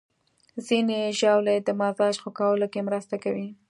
ځینې ژاولې د مزاج ښه کولو کې مرسته کوي.